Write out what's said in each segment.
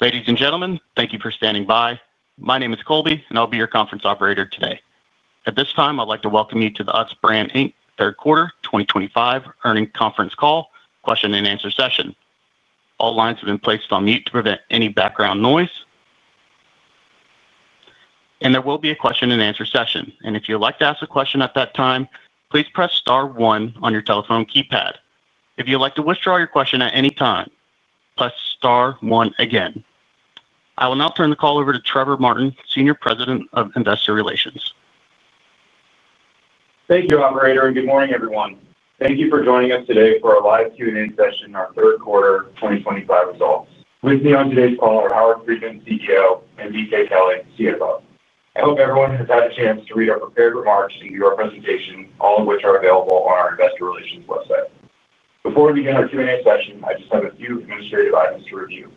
Ladies and gentlemen, thank you for standing by. My name is Colby and I'll be your conference operator today. At this time, I'd like to welcome you to the Utz Brands Inc. third quarter 2025 earnings conference call question and answer session. All lines have been placed on mute to prevent any background noise, and there will be a question and answer session. If you'd like to ask a question at that time, please press star one on your telephone keypad. If you'd like to withdraw your question at any time, press star one again. I will now turn the call over to Trevor Martin, Senior President of Investor Relations. Thank you, operator, and good morning, everyone. Thank you for joining us today for our live Q&A session. Our third quarter 2025 results. With me on today's call are Howard Friedman, CEO, and BK Kelley, CFO. I hope everyone has had a chance to read our prepared remarks and view our presentation, all of which are available on our Investor Relations website. Before we begin our Q&A session, I just have a few administrative items to review.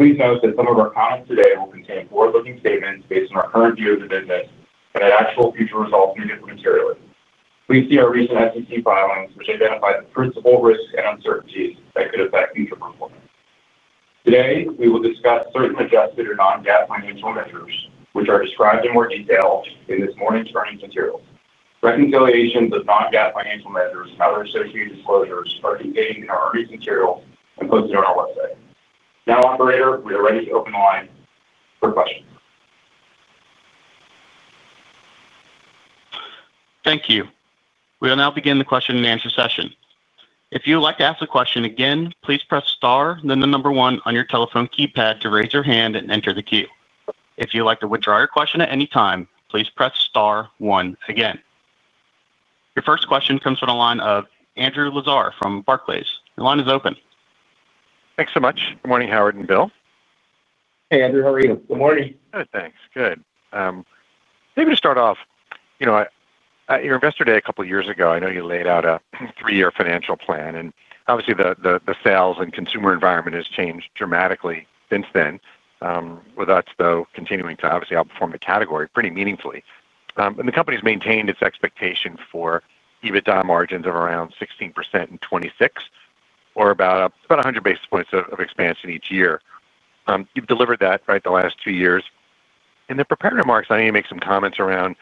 Please note that some of our commentst today will contain forward-looking statements based on our current view of the business. Actual future results may differ materially. Please see our recent SEC filings, which identify the principal risks and uncertainties could affect future performance. Today we will discuss certain adjusted or non-GAAP financial measures, which are described in more detail in this morning's earnings materials. Reconciliations of non-GAAP financial measures and.ther associated disclosures are contained in our earnings material and posted on our website now. Operator, we are ready to open the line for questions. Thank you. We will now begin the question and answer session. If you would like to ask a question again, please press star then the number one on your telephone keypad to raise your hand and enter the queue. If you'd like to withdraw your question at any time, please press star one again. Your first question comes from the line of Andrew Lazar from Barclays. Your line is open. Thanks so much. Good morning, Howard and Bill. Hey Andrew, how are you? Good morning. Good, thanks. Good. Maybe to start off, you know, at your Investor Day a couple years ago, I know you laid out a three-year financial plan and obviously the sales and consumer environment has changed dramatically since then. With us though continuing to obviously outperform the category pretty meaningfully, and the company's maintained its expectation for EBITDA margins of around 16% in 2026 or about 100 basis points of expansion each year. You've delivered that the last two years. In the prepared remarks, I need to make some comments around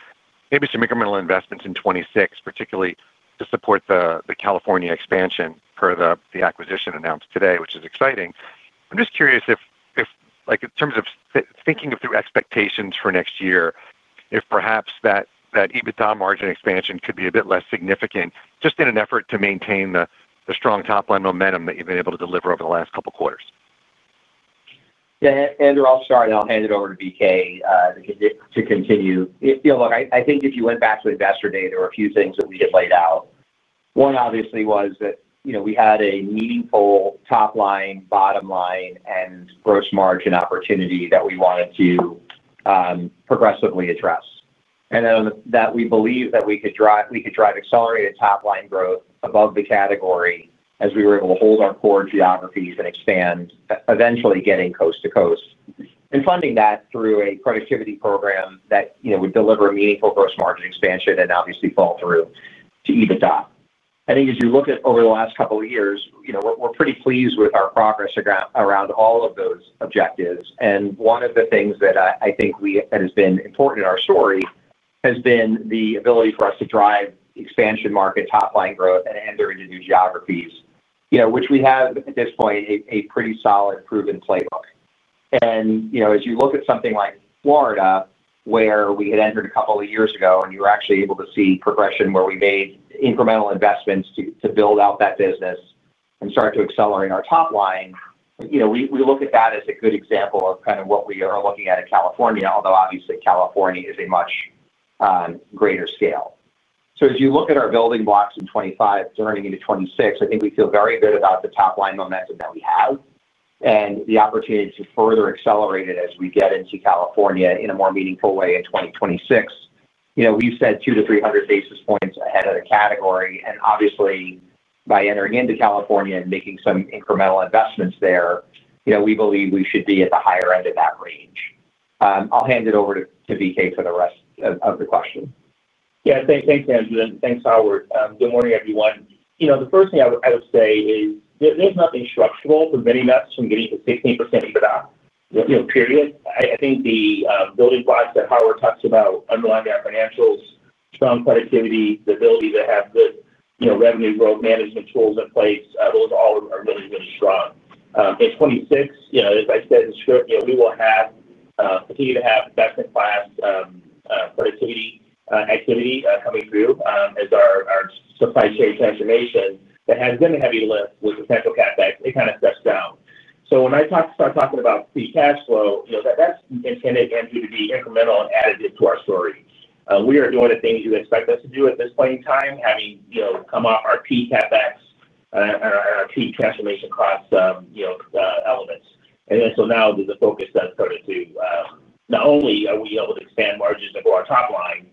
maybe some incremental investments in 2026, particularly to support the California expansion, per the acquisition announced today, which is exciting. I'm just curious if like in terms of thinking through expectations for next year, if perhaps that EBITDA margin expansion could be a bit less significant just in an effort to maintain the strong top-line momentum that you've been able to deliver over the last couple quarters. Andrew, I'll start and I'll hand it over to BK to continue. Look, I think if you went back to Investor Day, there were a few things that we had laid out. One obviously was that we had a meaningful top line, bottom line, and gross margin opportunity that we wanted to progressively address and that we believe that we could drive accelerated top line growth above the category as we were able to hold our core geographies and expand, eventually getting coast to coast and funding that through a productivity program that would deliver a meaningful gross margin expansion and obviously fall through to EBITDA. I think as you look at over the last couple of years, we're pretty pleased with our progress around all of those objectives. One of the things that I think has been important in our story has been the ability for us to drive expansion, market top line growth, and enter into new geographies, which we have at this point a pretty solid proven playbook. As you look at something like Florida, where we had entered a couple of years ago and you were actually able to see progression where we made incremental investments to build out that business and start to accelerate our top line, we look at that as a good example of what we are looking at in California, although obviously California is a much greater scale. As you look at our building blocks in 2025 turning into 2026, I think we feel very good about the top line momentum that we have and the opportunity to further accelerate it as we get into California in a more meaningful way in 2026. We've said 2%-3% or 200 to 300 basis points ahead of the category and obviously by entering into California and making some incremental investments there, we believe we should be at the higher end of that range. I'll hand it over to BK for the rest of the question. Yeah, thanks Andrew. Thanks, Howard. Good morning everyone. The first thing I would say is there's nothing structural for many methods from getting to 16% EBITDA, period. I think the building blocks that Howard talks about underlying our financials, strong productivity, the ability to have good, you know, revenue growth management tools in place. Those all are really, really strong. In 2026, as I said, we will continue to have best-in-class productivity activity coming through. As our supply chain transformation that has been a heavy lift with potential CapEx, it kind of steps down. When I start talking about free cash flow, you know that that's intended and due to be incremental additive to our story. We are doing the things you expect us to do at this point in time. Having come off our CapEx, our key transformation cost elements, there's a focus that started to not only are we able to expand margins to grow our top line,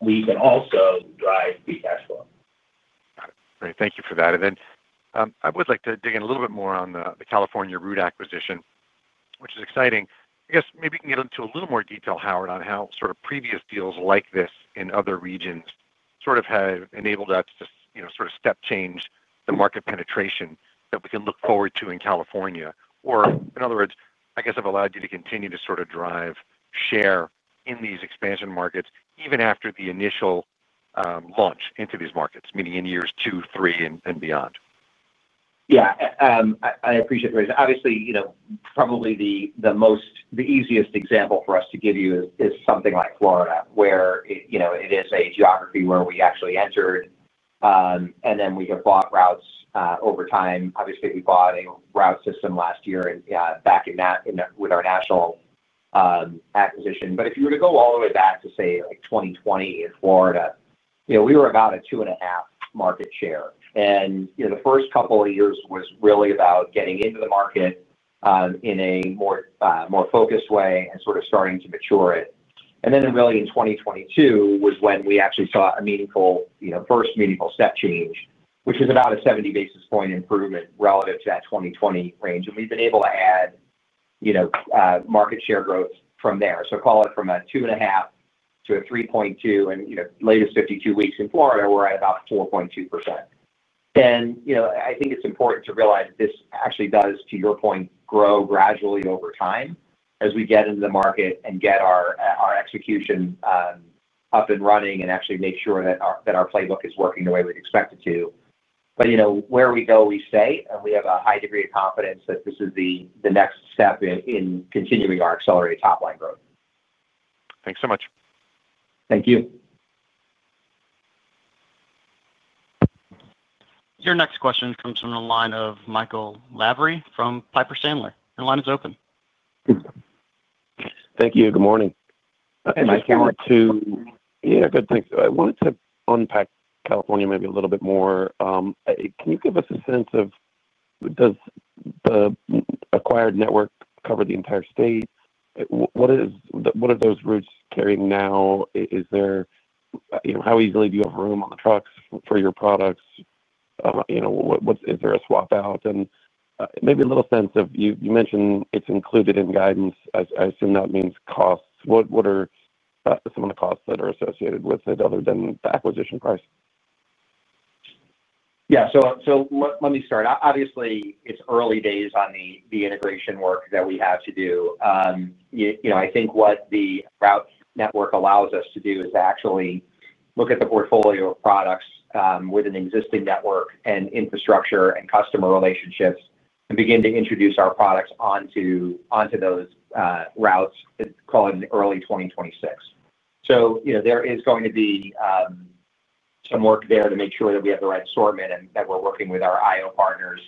we can also drive free cash flow. Great, thank you for that. I would like to dig in a little bit more on the California route acquisition, which is exciting. I guess maybe you can get into a little more detail, Howard, on how sort of previous deals like this in other regions have enabled us to step change the market penetration that we can look forward to in California. In other words, I guess they've allowed you to continue to drive share in these expansion markets even after the initial launch into these markets, meaning in years two, three, and beyond. Yeah, I appreciate, obviously, you know, probably the most, the easiest example for us to give you is something like Florida, where, you know, it is a geography where we actually entered and then we have bought routes over time. Obviously, we bought a route system last year back in that with our national acquisition. If you were to go all the way back to, say, 2020 in Florida, we were about a 2.5% market share. The first couple of years was really about getting into the market in a more focused way and starting to mature it. In 2022 was when we actually saw a meaningful, first meaningful step change, which is about a 70 basis point improvement relative to that 2020 range. We've been able to add market share growth from there. Call it from a 2.5% to a 3.2%. Latest 52 weeks in Florida, we're at about 4.2%. I think it's important to realize this actually does, to your point, grow gradually over time as we get into the market and get our execution up and running and actually make sure that our playbook is working the way we'd expect it to. Where we go, we stay, and we have a high degree of confidence that this is the next step in continuing our acceleration of top line growth. Thanks so much. Thank you. Your next question comes from the line of Michael Lavery from Piper Sandler. Your line is open. Thank you. Good morning. Yeah, good, thanks. I wanted to unpack California maybe a little bit more. Can you give us a sense of does the acquired network cover the entire state? What are those routes carrying now? Is there, you know, how easily do you have room on the trucks for your products? What's, is there a swap out and maybe a little sense of, you mentioned it's included in guidance. I assume that means costs. What are some of the costs that are associated with it other than the acquisition price? Yeah. Let me start. Obviously it's early days on the integration work that we have to do. I think what the route network allows us to do is actually look at the portfolio of products with an existing network and infrastructure and customer relationships and begin to introduce our products onto those routes, call it in early 2026. There is going to be some work there to make sure that we have the right assortment and that we're working with our IO partners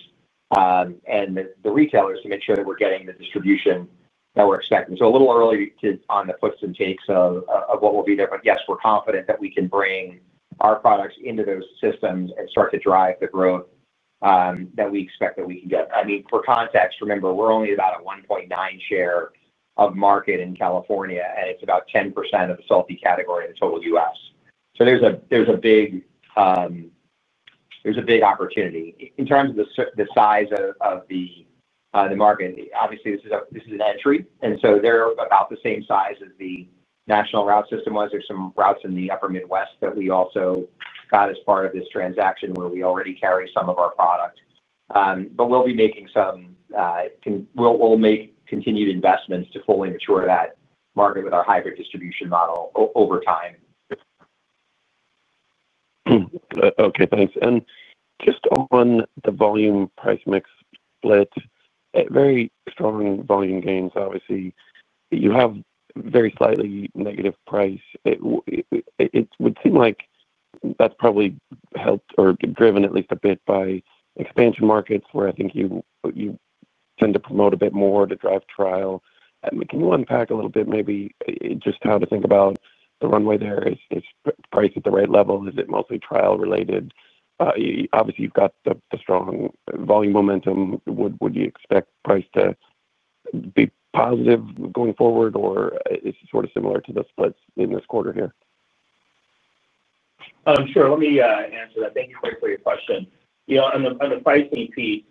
and the retailers to make sure that we're getting the distribution that we're expecting. A little early on the puts and takes of what will be there, but yes, we're confident that we can bring our products into those systems and start to drive the growth that we expect that we can get. For context, remember we're only about a 1.9% share market in California and it's about 10% of the salty snacks category in the total U.S., so there's a big opportunity in terms of the size of the market. Obviously this is an entry and they're about the same size as the national route system was. There are some routes in the upper Midwest that we also got as part of this transaction where we already carry some of our product, but we'll be making some. We'll make continued investments to fully mature that market with our hybrid distribution model over time. Okay, thanks. Just on the volume price mix split, very strong volume gains, obviously you have very slightly negative price. It would seem like that's probably helped or driven at least a bit by expansion markets where I think you tend to promote a bit more to drive trial. Can you unpack a little bit maybe just how to think about the runway? There is price at the right level. Is it mostly trial related? Obviously you've got the strong volume momentum. Would you expect price to be positive going forward or is it sort of similar to the splits in this quarter here? Sure. Let me answer that. Thank you for your question. You know, on the pricing piece,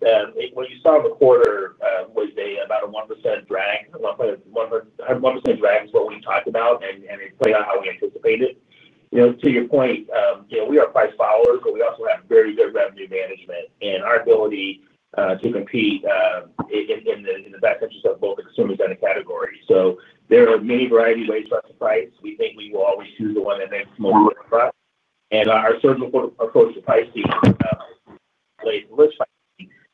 what you saw the quarter was about a 1% drag. 1% drag is what we talked about, and it played out how we anticipate it. To your point, we are price followers, but we also have very good revenue management and our ability to compete in the best interest of both the consumers in the category. There are many variety ways for us to price. We think we will always choose the one that makes sense and our surgical approach to pricing,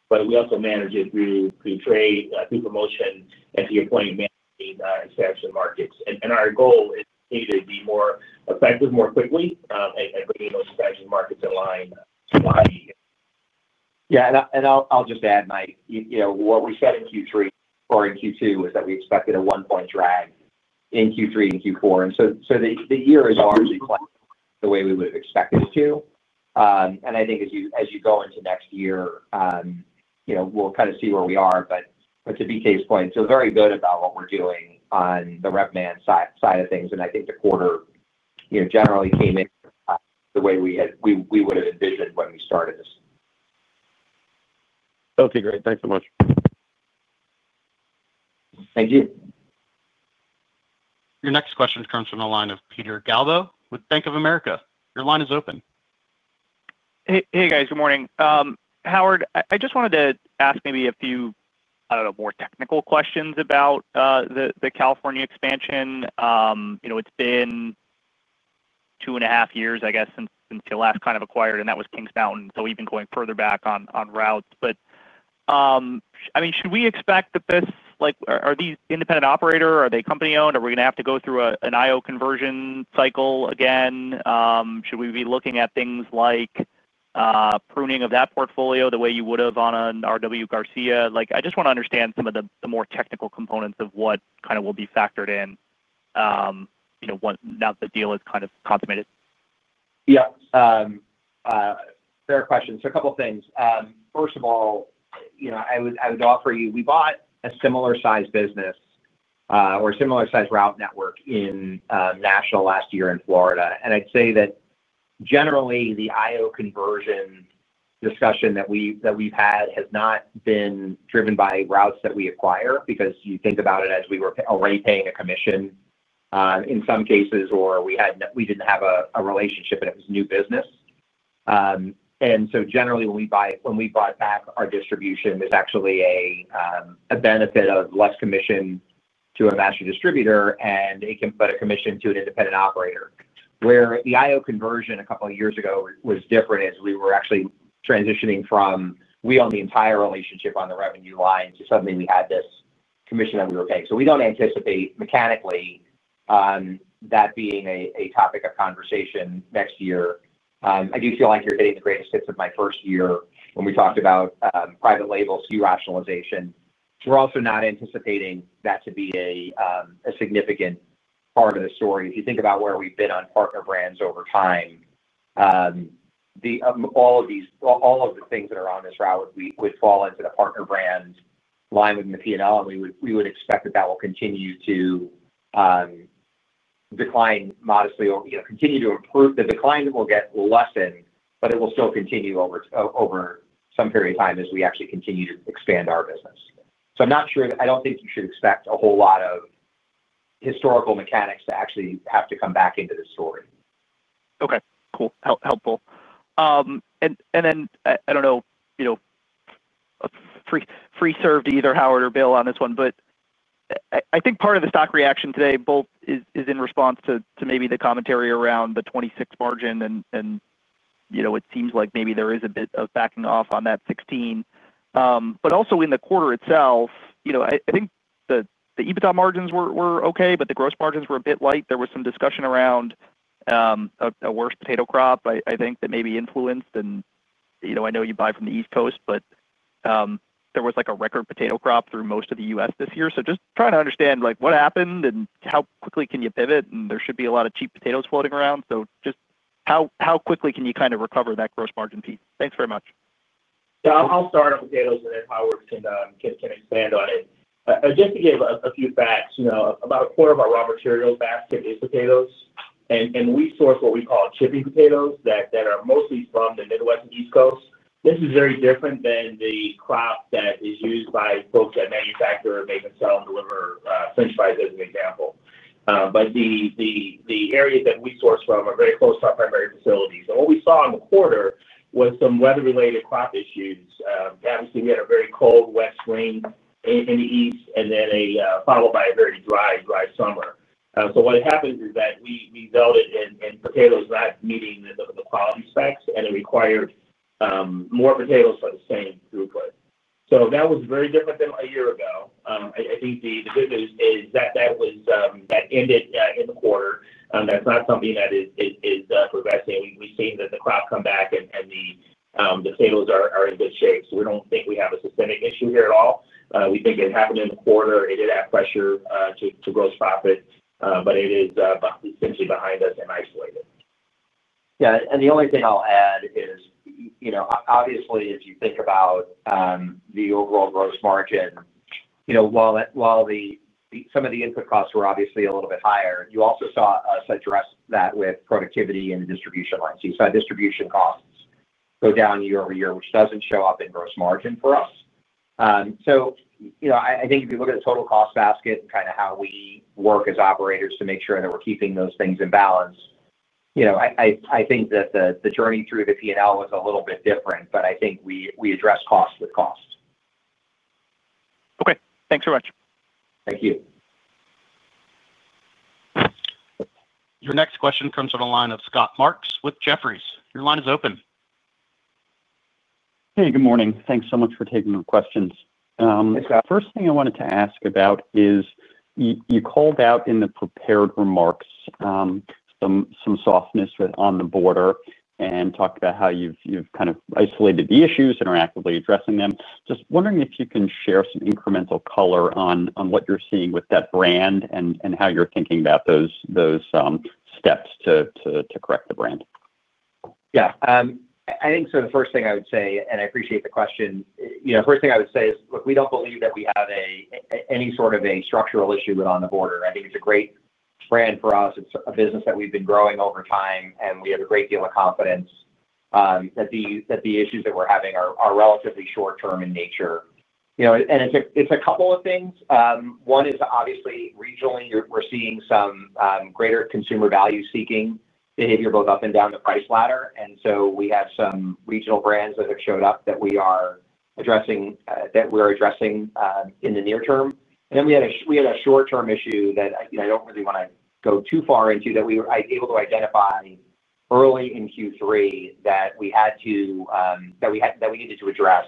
but we also manage it through trade, through promotion, and to your point, managing established markets. Our goal is to be more effective more quickly at bringing those strategic markets in line. Yeah, I'll just add, Mike, you know what we said in Q3 or in Q2 is that we expected a 1% drag in Q3 and Q4. The year is largely the way we would have expected to. I think as you go into next year, you know, we'll kind of see where we are, but to BK's point, feel very good about what we're doing on the Revman side of things. I think the quarter generally came in the way we would have envisioned when we started this. Okay, great. Thanks so much. Thank you. Your next question comes from the line of Peter Galbo with Bank of America. Your line is open. Hey guys. Good morning, Howard. I just wanted to ask maybe a few more technical questions about the California expansion. You know, it's been two and a half years I guess since you last kind of acquired and that was Kings Mountain, so even going further back on routes. Should we expect that this, like are these independent operator, are they company owned? Are we going to have to go through an IO conversion cycle again? Should we be looking at things like pruning of that portfolio the way you would have on an RW Garcia? I just want to understand some of the more technical components of what kind of will be factored in, you. Now the deal is kind of consummated. Yeah, fair question. A couple of things. First of all, I would offer you we bought a similar size business or similar size route network in Nashville last year in Florida. I'd say that generally the IO conversion discussion that we've had has not been driven by routes that we acquire because you think about it as we were already paying a commission in some cases, or we didn't have a relationship and it was new business. Generally, when we bought back our distribution, there's actually a benefit of less commission to a master distributor and it can put a commission to an independent operator. Where the IO conversion a couple of years ago was different, as we were actually transitioning from we owned the entire relationship on the revenue line to suddenly we had this commission that we were paying. We don't anticipate mechanically that being a topic of conversation next year. I do feel like you're getting the greatest hits of my first year when we talked about private label SKU rationalization. We're also not anticipating that to be a significant part of the story. If you think about where we've been on partner brands over time, all of the things that are on this route would fall into the partner brand. We would expect that will continue to decline modestly or continue to improve the decline that will get lessened, but it will still continue over some period of time as we actually continue to expand our business. I'm not sure, I don't think you should expect a whole lot of historical mechanics to actually have to come back into the story. Okay, cool. Helpful and I don't know, free serve to either Howard or Bill on this one. I think part of the stock reaction today is in response to maybe the commentary around the 26 margin. It seems like maybe there is a bit of backing off on that 16, but also in the quarter itself, I think the EBITDA margins were ok, but the gross margins were a bit light. There was some discussion around a worse potato crop. I think that may be influenced. I know you buy from the East Coast, but there was a record potato crop through most of the U.S. this year. Just trying to understand what happened and how quickly you can pivot. There should be a lot of cheap potatoes floating around. How quickly can you kind of recover that gross margin piece? Thanks very much. I'll start on potatoes and then Howard can expand on it. Just to give a few facts. You know, about a quarter of our raw material basket is potatoes. We source what we call chipping potatoes that are mostly from the Midwest and East Coast. This is very different than the crop that is used by folks that manufacture, make and sell and deliver French fries as an example. The areas that we source from are very close to our primary facilities. What we saw in the quarter was some weather-related crop issues. Obviously, we had a very cold, wet spring in the East and then followed by a very dry, dry summer. What happens is that we resulted in potatoes not meeting the quality specs and it required more potatoes for the same throughput. That was very different than a year ago. I think the good news is that ended in the quarter and that's not something that is progressing. We've seen that the crop come back and the potatoes are in good shape. We don't think we have a systemic issue here at all. We think it happened in the quarter. It did add pressure to gross profit, but it is essentially behind us and isolated. Yeah, the only thing I'll add is, obviously if you think about the overall gross margin, while some of the input costs were obviously a little bit higher, you also saw us address that with productivity and the distribution line. You saw distribution costs go down year over year, which doesn't show up in gross margin for us. I think if you look at the total cost basket and kind of how we work as operators to make sure that we're keeping those things in balance, the journey through the P&L was a little bit different, but I think we address cost with cost. Okay, thanks very much. Thank you. Your next question comes from the line of Scott Marks with Jefferies. Your line is open. Hey, good morning. Thanks so much for taking the questions. First thing I wanted to ask about is you called out in the prepared remarks some softness On The Border and talked about how you've kind of isolated the issues and are actively addressing them. Just wondering if you can share some incremental color on what you're seeing with that brand and how you're thinking about those steps to correct the brand. Yeah, I think so. The first thing I would say, and I appreciate the question, the first thing I would say is, look, we don't believe that we have any sort of a structural issue with On The Border. I think it's a great brand for us. It's a business that we've been growing over time, and we have a great deal of confidence that the issues that we're having are relatively short term in nature. It's a couple of things. One is obviously regionally we're seeing some greater consumer value-seeking behavior both up and down the price ladder. We have some regional brands that have showed up that we're addressing in the near term. We had a short term issue that I don't really want to go too far into that we were able to identify early in Q3 that we needed to address.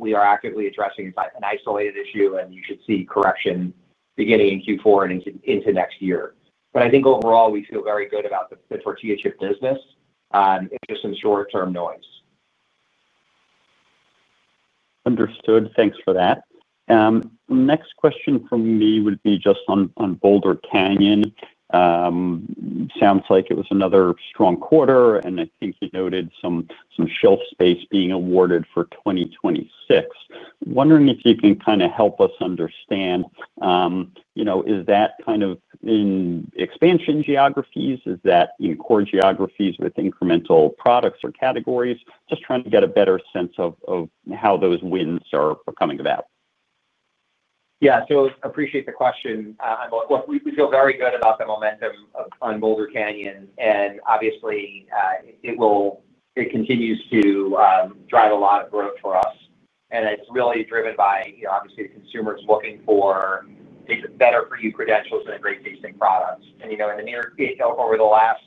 We are actively addressing an isolated issue, and you should see correction beginning in Q4 and into next year. I think overall we feel very good about the Tortilla Chips business, just some short term noise. Understood. Thanks for that. Next question from me would be just on Boulder Canyon. Sounds like it was another strong quarter, and I think you noted some shelf space being awarded for 2026. Wondering if you can kind of help us understand, you know, is that in expansion geographies, is that in core geographies with incremental products or categories? Just trying to get a better sense of how those wins are coming about. Yeah, appreciate the question. We feel very good about the momentum on Boulder Canyon and obviously it continues to drive a lot of growth for us and it's really driven by, you know, the consumers looking for better-for-you credentials and great tasting products. In the near, over the last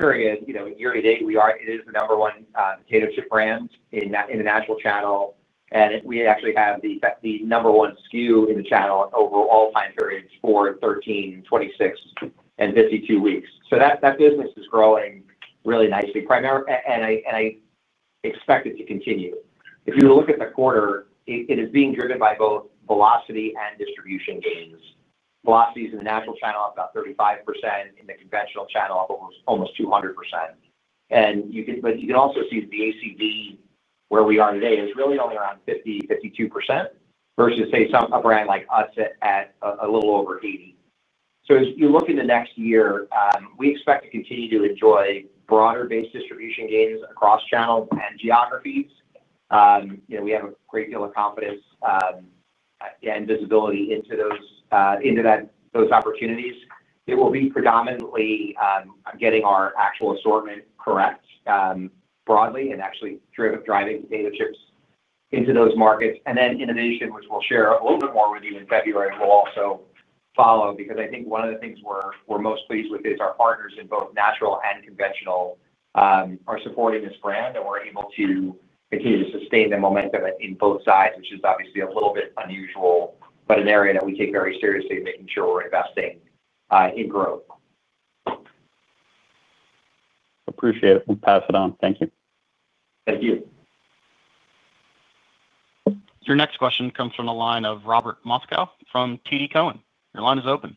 period, year to date, it is the number one potato chip brand in the natural channel and we actually have the number one SKU in the channel over all time periods for 13, 26, and 52 weeks. That business is growing really nicely primarily and I expect it to continue. If you look at the quarter, it is being driven by both velocity and distribution gains. Velocities in the natural channel are up about 35%. In the conventional channel, almost 200%. You can also see the ACV where we are today is really only around 50%, 52% versus, say, a brand like us at a little over 80%. As you look into next year, we expect to continue to enjoy broader base distribution gains across channels and geographies. We have a great deal of confidence and visibility into those opportunities. It will be predominantly getting our actual assortment correct broadly and actually driving potato chips into those markets. Innovation, which we'll share a little bit more with you in February, will also follow because I think one of the things we're most pleased with is our partners in both natural and conventional are supporting this brand and we're able to continue to sustain the momentum in both sides, which is obviously a little bit unusual, but an area that we take very seriously, making sure we're investing in growth. Appreciate it. I will pass it on. Thank you. Thank you. Your next question comes from the line of Robert Moskow from TD Cowen. Your line is open.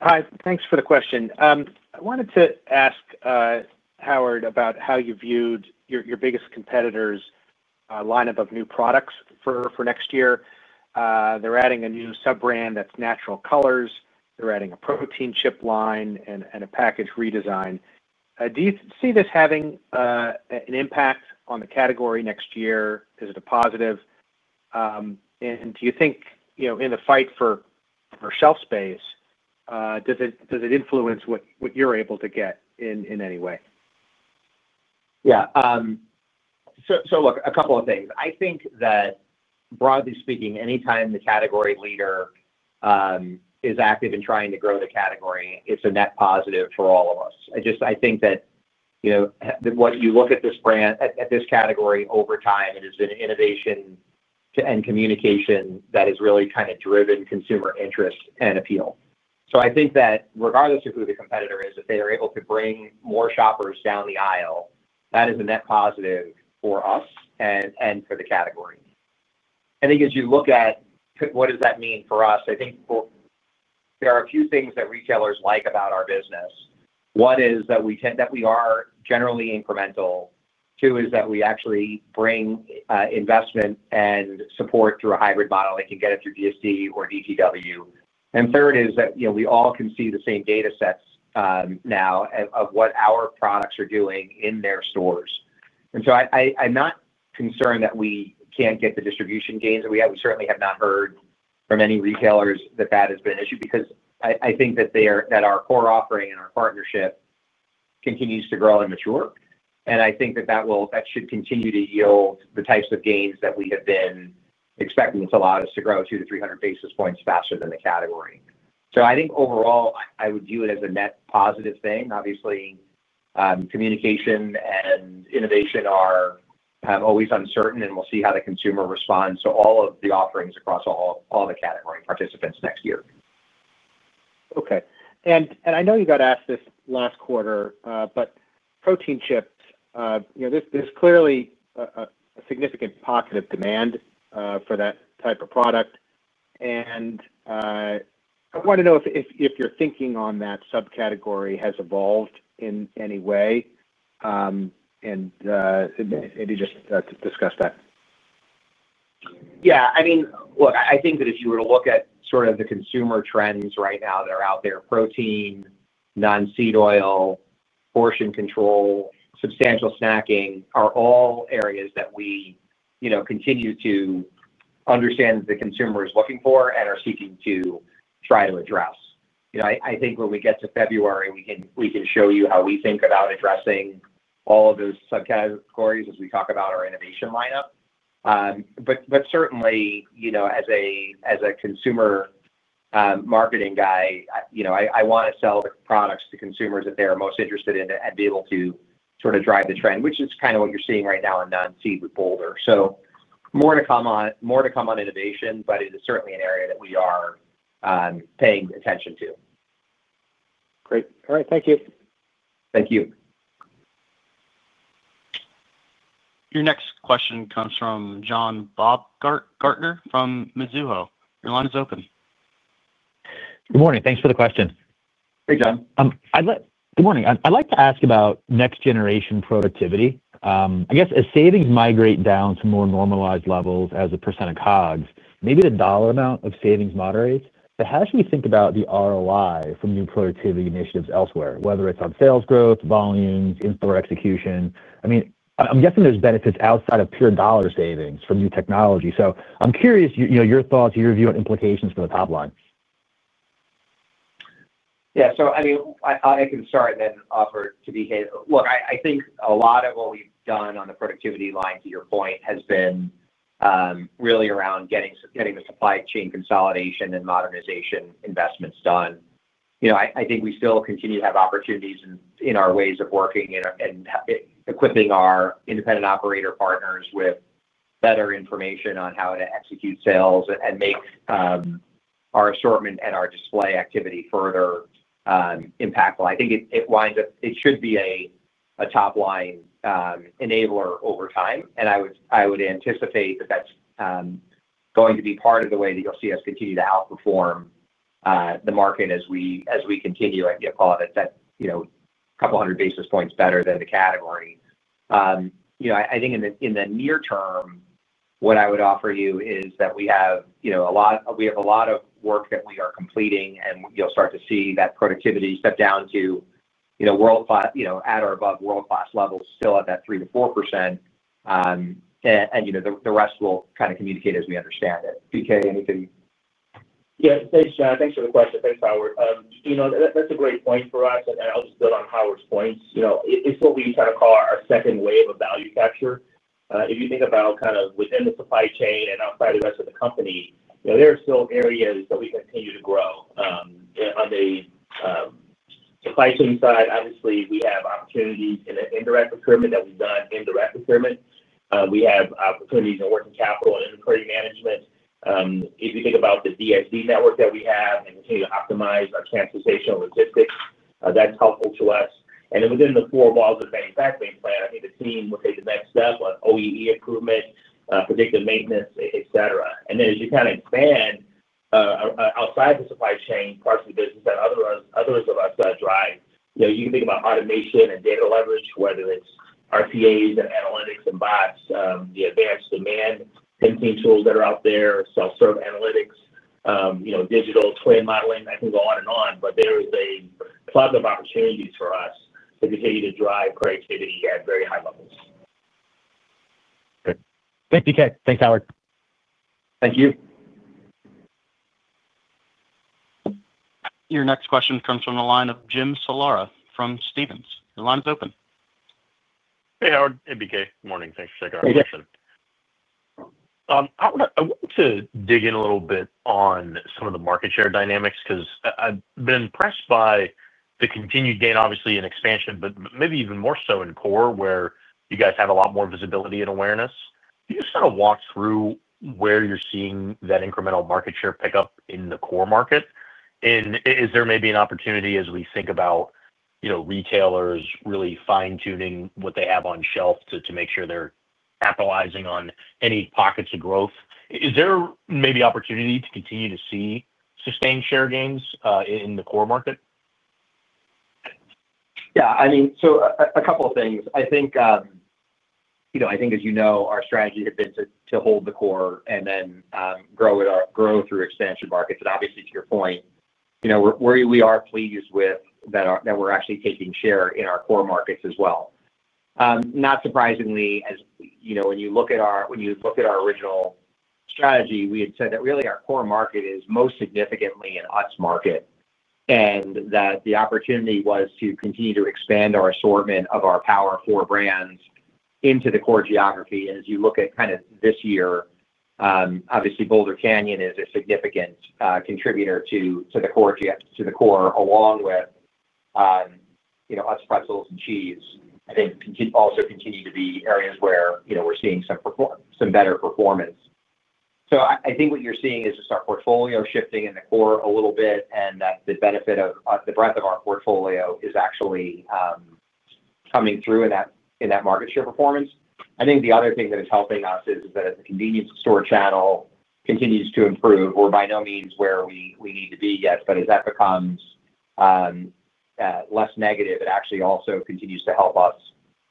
Hi. Thanks for the question. I wanted to ask Howard about how you viewed your biggest competitors lineup of new products for next year. They're adding a new sub brand that's Natural Colors. They're adding a protein chip line and a package redesign. Do you see this having an impact on the category next year? Is it a positive and do you think in the fight for or shelf space, does it influence what you're able to get in any way? Yeah. A couple of things. I think that broadly speaking, anytime the category leader is active in trying to grow the category, it's a net positive for all of us. I think that, you know, you look at this brand, at this category, over time it has been innovation and communication that has really kind of driven consumer interest and appeal. I think that regardless of who the competitor is, if they are able to bring more shoppers down the aisle, that is a net positive for us and for the category. I think as you look at what does that mean for us? I think there are a few things that retailers like about our business. One is that we are generally incremental. Two is that we actually bring investment and support through a hybrid model that can get it through DSD or DTW. Third is that we all can see the same data sets now of what our products are doing in their stores. I'm not concerned that we can't get the distribution gains that we have. We certainly have not heard from any retailers that that has been an issue because I think that our core offering and our partnership continues to grow and mature. I think that should continue to yield the types of gains that we have been expecting to allow us to grow 2 to 300 basis points faster than the category. I think overall I would view it as a net positive thing. Obviously, communication and innovation are always uncertain and we'll see how the consumer responds to all of the offerings across all the category participants next year. Okay. I know you got asked this last quarter, but protein chips, you know, there's clearly a significant pocket of demand for that type of product. I want to know if your thinking on that subcategory has evolved in any way and maybe just discuss that. Yeah, I mean, look, I think that if you were to look at sort of the consumer trends right now that are out there, protein, non-seed oil, portion control, substantial snacking, are all areas that we continue to understand the consumer is looking for and are seeking to try to address. I think when we get to February, we can show you how we think about addressing all of those subcategories as we talk about our innovation lineup. Certainly, as a consumer marketing guy, I want to sell the products to consumers that they are most interested in and be able to sort of drive the trend, which is kind of what you're seeing right now in Nancy with Boulder. More to come on innovation, but it is certainly an area that we are paying attention to. Great. All right, thank you. Thank you. Your next question comes from John Baumgartner from Mizuho, your line is open. Good morning. Thanks for the question. Good morning. I'd like to ask about next generation productivity. As savings migrate down to more normalized levels as a percent of COGS, maybe the dollar amount of savings moderates. How should we think about the ROI from new productivity initiatives elsewhere? Whether it's on sales growth, volumes in store, execution. I'm guessing there's benefits outside of pure dollar savings from new technology. I'm curious, your thoughts, your view and implications for the top line. I can start then offer to BK. I think a lot of what we've done on the productivity line, to your point, has been really around getting the supply chain consolidation and modernization investments done. I think we still continue to have opportunities in our ways of working and equipping our independent operator partners with better information on how to execute sales and make our assortment and our display activity further impactful. I think it winds up, it should be a top line enabler over time and I would anticipate that that's going to be part of the way that you'll see us continue to outperform the market. As we continue, I think a couple hundred basis points better than the category. In the near term, what I would offer you is that we have a lot of work that we are completing and you'll start to see that productivity step down to world class, at or above world class levels, still at that 3%-4%, and the rest we will communicate as we understand it. BK, anything? Yeah, thanks John. Thanks for the question. Thanks, Howard. That's a great point for us. I'll just build on Howard's points. It's what we kind of call our second wave of value capture. If you think about kind of within the supply chain and outside the rest of the company, there are still areas that we continue to grow on the supply chain side. Obviously, we have opportunities in indirect procurement that we've done. We have opportunities in working capital and management. If you think about the DSD network that we have and continue to optimize our transportation logistics, that's helpful to us. Within the four walls of the manufacturing plant, I think the team will take the next step on OEE improvement, predictive maintenance, et cetera. As you kind of expand outside the supply chain parts of the business that others of us drive, you can think about automation and data leverage. Whether it's RPAs and analytics and bots, the advanced demand planning tools that are out there, self-serve analytics, digital twin modeling, I can go on and on, but there is a plethora of opportunities for us to continue to drive productivity at very high levels. Good. Thank you guys. Thanks Howard. Thank you. Your next question comes from the line of Jim Salera from Stephens. The line is open. Hey Howard. Hey BK. Morning. Thanks for taking our. I want to dig in a little bit on some of the market share dynamics because I've been impressed by the continued gain obviously in expansion, but maybe even more so in core where you guys have a lot more visibility and awareness. You just kind of walk through where you're seeing that incremental market share pick up in the core market. Is there maybe an opportunity as we think about, you know, retailers really fine tuning what they have on shelf to make sure they're capitalizing on any pockets of growth. Is there maybe opportunity to continue to see sustained share gains in the core market? Yeah, I mean, a couple of things I think, you know, I think as you know, our strategy had been to hold the core and then grow it or grow through expansion markets. Obviously to your point, you know, we are pleased with that. We're actually taking share in our core markets as well. Not surprisingly, as you know, when you look at our original strategy, we had said that really our core market is most significantly an Utz market and that the opportunity was to continue to expand our assortment of our Power 4 brands into the core geography. As you look at this year, obviously Boulder Canyon is a significant contributor to the core along with, you know, Utz pretzels and cheese, I think also continue to be areas where, you know, we're seeing some better performance. I think what you're seeing is just our portfolio shifting in the core a little bit. The benefit of the breadth of our portfolio is actually coming through in that market share performance. I think the other thing that is helping us is that the convenience store channel continues to improve. We're by no means where we need to be yet, but as that becomes less negative, it actually also continues to help us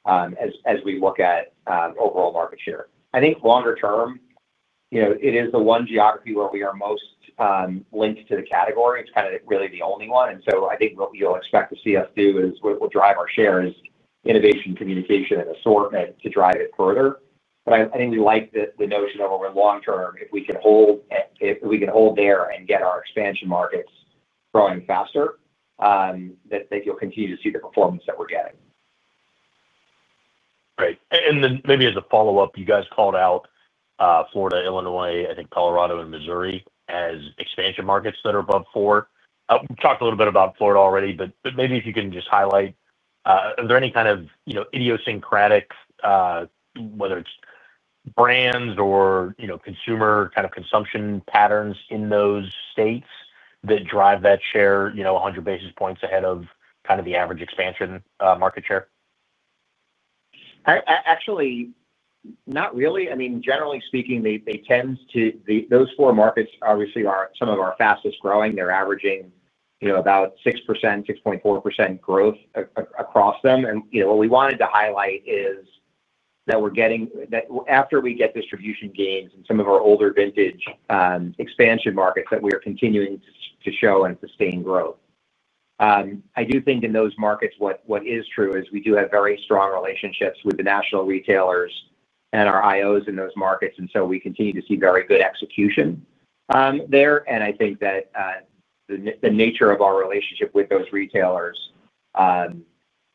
as we look at overall market share. I think longer term, you know, it is the one geography where we are most linked to the category. It's really the only one. I think what you'll expect to see us do is what will drive our share is innovation, communication and assortment to drive it further. I think we like the notion of over long term, if we can hold, if we can hold there and get our expansion markets growing faster, that you'll continue to see the performance that we're getting. Right. Maybe as a follow up, you guys called out Florida, Illinois, I think Colorado and Missouri as expansion markets that are above 4%. We talked a little bit about Florida already. Maybe if you can just highlight. Are there any kind of, you know? Idiosyncratic, whether it's brands or, you know, consumer kind of consumption patterns in those states that drive that share, you know, 100 basis points ahead of the average expansion market share? Actually not really. Generally speaking, they tend to. Those four markets obviously are some of our fastest growing. They're averaging about 6%, 6.4% growth across them. What we wanted to highlight is that we're getting that after we get distribution gains in some of our older vintage expansion markets that we are continuing to show and sustain growth. I do think in those markets, what is true is we do have very strong relationships with the national retailers and our iOS in those markets. We continue to see very good execution there. I think that the nature of our relationship with those retailers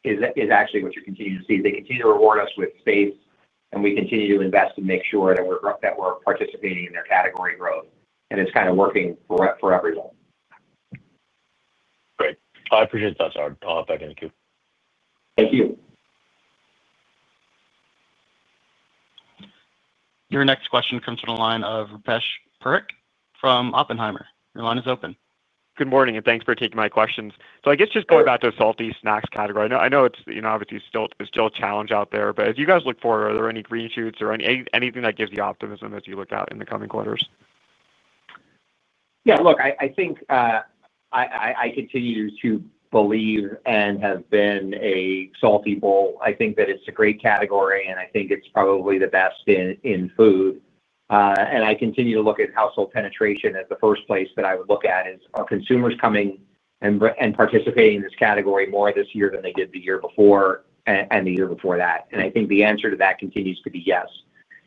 is actually what you continue to see. They continue to reward us with space and we continue to invest and make sure that we're participating in their category growth and it's kind of working for everyone. Great, I appreciate that, Sir. I'll hop back in the queue. Thank you. Your next question comes from the line of Rupesh Parikh from Oppenheimer. Your line is open. Good morning and thanks for taking my questions. Just going back to the Salty Snacks category, I know it's obviously still, there's still a challenge out there, but as you guys look forward, are there any green shoots or anything that gives you optimism as you look out in the coming quarters? Yeah, look, I think I continue to believe and have been a salty bull. I think that it's a great category and I think it's probably the best in food. I continue to look at household penetration. The first place that I would look at is are consumers coming and participating in this category more this year than they did the year before and the year before that? I think the answer to that continues to be yes.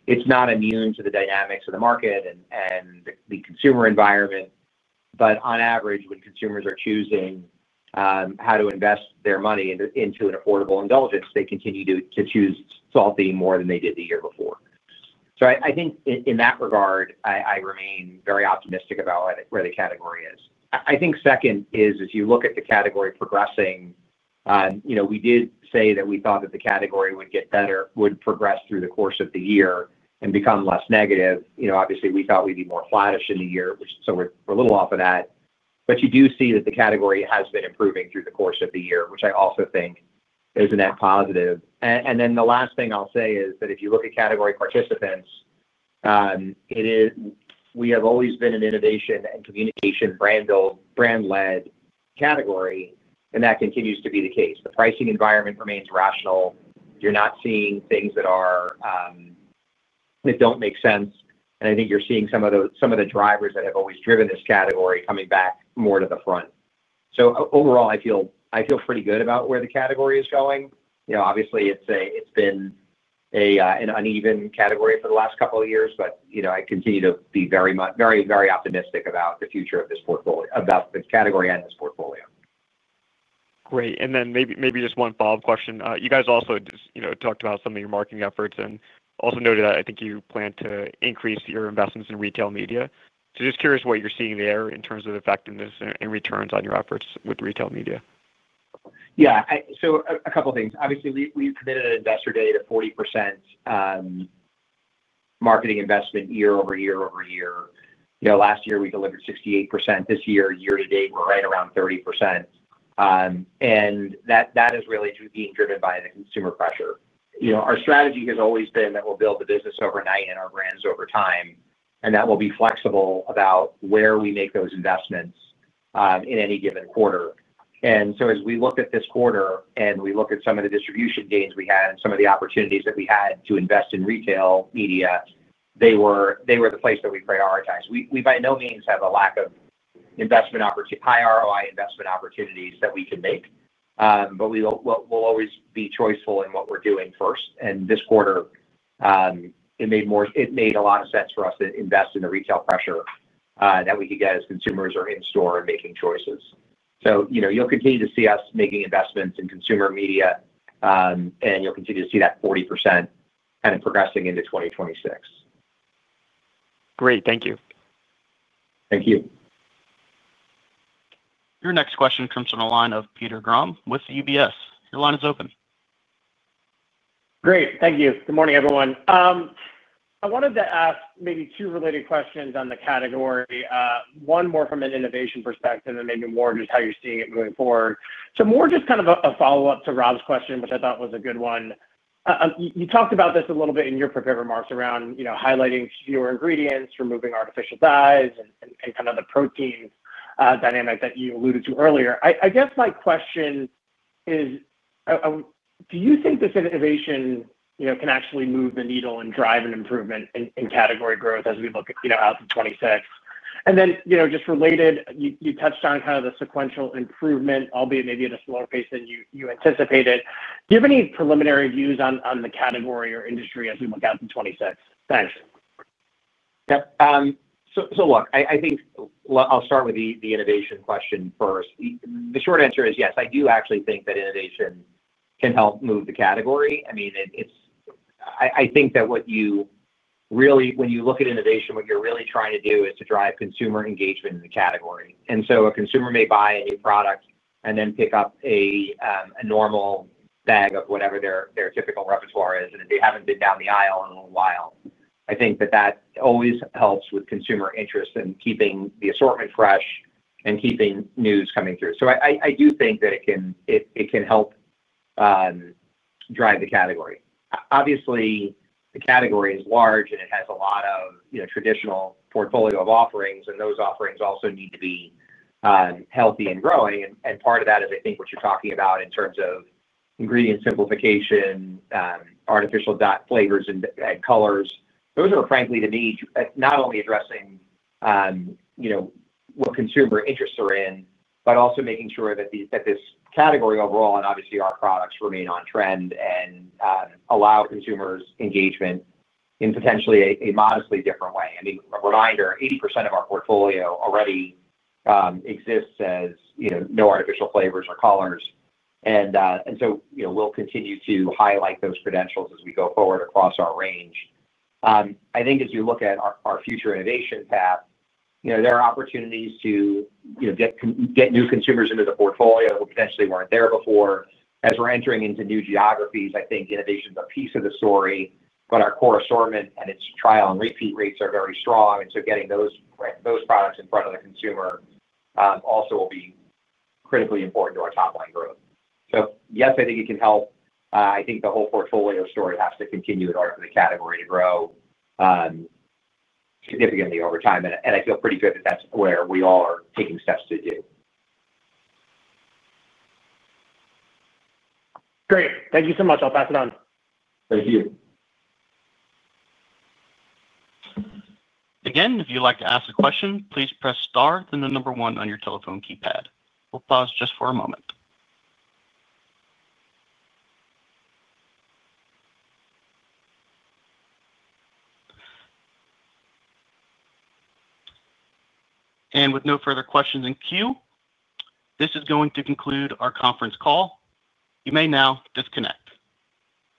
It's not immune to the dynamics of the market and the consumer environment. On average, when consumers are choosing how to invest their money into an affordable indulgence, they continue to choose salty more than they did the year before. I think in that regard I remain very optimistic about where the category is. Second, as you look at the category progressing, we did say that we thought that the category would get better, would progress through the course of the year and become less negative. Obviously, we thought we'd be more flattish in the year, so we're a little off of that. You do see that the category has been improving through the course of the year, which I also think is a net positive. The last thing I'll say is that if you look at category participants, we have always been an innovation and communication, brand build, brand led category. That continues to be the case. The pricing environment remains rational. You're not seeing things that don't make sense. I think you're seeing some of the drivers that have always driven this category coming back more to the front. Overall, I feel pretty good about where the category is going. Obviously, it's been an uneven category for the last couple of years. I continue to be very much, very, very optimistic about the future of this portfolio, about the category and this portfolio. Great. Maybe just one follow up question. You guys also talked about some of your marketing efforts and also noted that I think you plan to increase your investments in retail media. Just curious what you're seeing there in terms of effectiveness and returns on your efforts with retail media. Yeah, so a couple things. Obviously, we committed at Investor Day to 40% marketing investment year over year over year. You know, last year we delivered 68%. This year, year to date, we're right around 30%. That is really being driven by the consumer pressure. You know, our strategy has always been that we'll build the business overnight and our brands over time, and that we'll be flexible about where we make those investments in any given quarter. As we looked at this quarter and we look at some of the distribution gains we had and some of the opportunities that we had to invest in retail media, they were the place that we prioritized. We by no means have a lack of investment opportunity, high ROI investment opportunities that we can make, but we'll always be choiceful in what we're doing first. This quarter it made a lot of sense for us to invest in the retail pressure that we could get as consumers are in store and making choices. You know, you'll continue to see us making investments in consumer media and you'll continue to see that 40% progressing into 2026. Great. Thank you. Thank you. Your next question comes from the line of Peter Grom with UBS. Your line is open. Great, thank you. Good morning, everyone. I wanted to ask maybe two related questions on the category, one more from an innovation perspective and maybe more just how you're seeing it going forward. More just kind of a follow up to Rob's question, which I thought was a good one. You talked about this a little bit in your prepared remarks around highlighting fewer ingredients, removing artificial dyes, and kind of the protein dynamic that you alluded to earlier. I guess my question is, do you think this innovation can actually move the needle and drive an improvement in category growth as we look out to 2026? Then just related, you touched on the sequential improvement, albeit maybe at a slower pace than you anticipated. Do you have any preliminary views on the category or industry as we look out to 2026? Thanks. I think I'll start with the innovation question first. The short answer is yes, I do actually think that innovation can help move the category. I think that what you really, when you look at innovation, what you're really trying to do is to drive consumer engagement in the category. A consumer may buy a new product and then pick up a normal bag of whatever their typical repertoire is. If they haven't been down the aisle in a while, I think that always helps with consumer interest in keeping the assortment fresh and keeping news coming through. I do think that it can help drive the category. Obviously, the category is large and it has a lot of traditional portfolio offerings. Those offerings also need to be healthy and growing. Part of that is, I think what you're talking about in terms of ingredient simplification, artificial flavors and colors. Those are, frankly to me, not only addressing what consumer interests are in, but also making sure that this category overall, and obviously our products, remain on trend and allow consumer engagement in potentially a modestly different way. Reminder, 80% of our portfolio already exists as no artificial flavors or colors. We'll continue to highlight those credentials as we go forward across our range. I think as you look at our future innovation path, there are opportunities to get new consumers into the portfolio that potentially weren't there before as we're entering into new geographies. I think innovation is a piece of the story, but our core assortment and its trial and repeat rates are very strong. Getting those products in front of the consumer also will be critically important to our top line growth. Yes, I think it can help. I think the whole portfolio story has to continue in order for the category to grow significantly over time. I feel pretty good that that's where we all are taking steps to do. Great. Thank you so much. I'll pass it on. Thank you again. If you'd like to ask a question, please press star, then the number one on your telephone keypad. We'll pause just for a moment. With no further questions in queue, this is going to conclude our conference call. You may now disconnect.